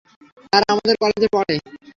তারা আমাদের কলেজে পড়ে।